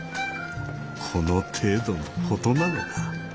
この程度のことなのだ。